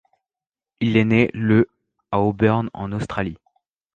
Il est né le à Auburn en Australie.